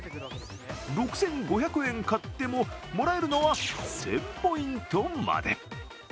６５００円買っても、もらえるのは１０００ポイントまで。